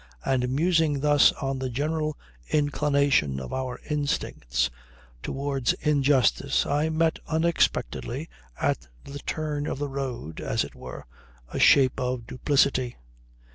And musing thus on the general inclination of our instincts towards injustice I met unexpectedly, at the turn of the road, as it were, a shape of duplicity.